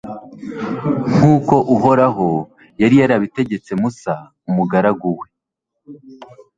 nk'uko uhoraho yari yarabitegetse musa, umugaragu we